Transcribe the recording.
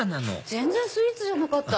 全然スイーツじゃなかった。